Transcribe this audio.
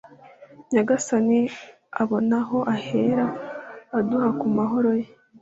nyagasani abone aho ahera aduha ku mahoro ye